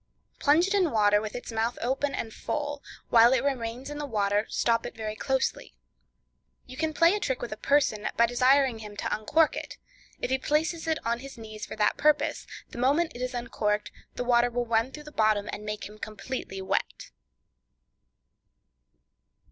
Plunge it in water with its mouth open and full; while it remains in the water stop it very closely. You can play a trick with a person, by desiring him to uncork it; if he places it on his knee for that purpose, the moment it is uncorked the water will run through the bottom, and make him completely wet.